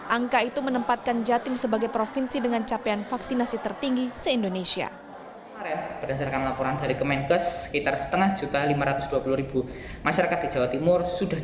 angka itu menempatkan jatim sebagai provinsi dengan capaian vaksinasi tertinggi se indonesia